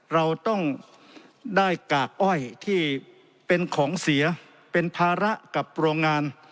เราต้องได้กากอ้อยที่เป็นของเสียเป็นภาระกับโรงงาน